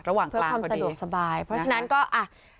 เพื่อความสะดวกสบายเพราะฉะนั้นก็อ่ะ